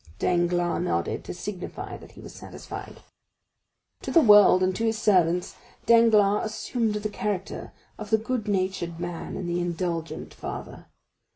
Danglars nodded, to signify that he was satisfied. To the world and to his servants Danglars assumed the character of the good natured man and the indulgent father.